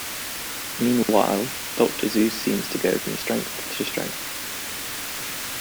Meanwhile, Dr. Zeus seems to go from strength to strength.